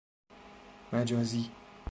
مجازی